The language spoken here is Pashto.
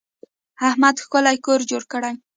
احمد ښکلی کور جوړ کړی.